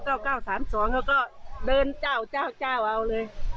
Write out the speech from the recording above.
เขาก็เดินเจ้าเอาเลย